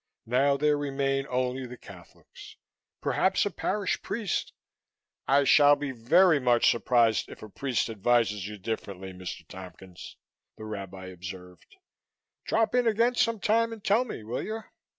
"Now there remain only the Catholics. Perhaps a parish priest " "I shall be very much surprised if a priest advises you differently, Mr. Tompkins," the Rabbi observed. "Drop in again some time and tell me, will you?"